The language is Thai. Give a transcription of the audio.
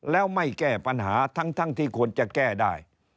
แล้วไม่แก้ปัญหาทั้งที่ควรจะแก้ได้